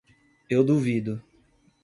Eu duvido